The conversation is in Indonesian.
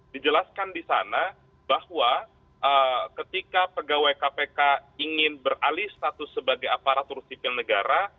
dijelaskan di sana bahwa ketika pegawai kpk ingin beralih status sebagai aparatur sipil negara